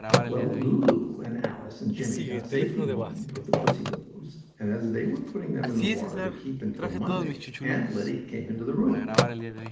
Well, Lulu and Alice and Jimmie got safely home with the pussy willows, and as they were putting them in water to keep until Monday, Aunt Lettie came into the room.